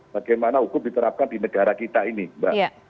bagaimana hukum diterapkan di negara kita ini mbak